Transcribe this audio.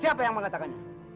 siapa yang mengatakannya